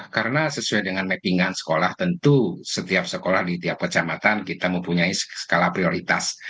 karena sesuai dengan mappingan sekolah tentu setiap sekolah di tiap kecamatan kita mempunyai skala prioritas